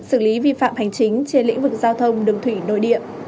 xử lý vi phạm hành chính trên lĩnh vực giao thông đường thủy nội địa